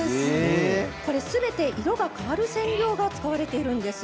これはすべて色が変わる染料が使われているんです。